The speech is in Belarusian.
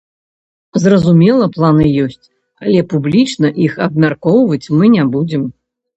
Зразумела, планы ёсць, але публічна іх абмяркоўваць мы не будзем.